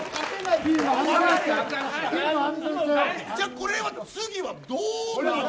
これは、次はどう。